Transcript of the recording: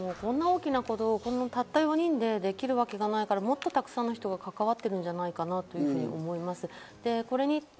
今回、逮捕されたのは４人ですけど、大きなことをたった４人でできるわけないから、もっとたくさんの人が関わってるんじゃないかなと思います。